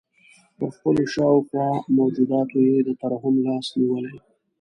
پر خپلو شاوخوا موجوداتو یې د ترحم لاس نیولی.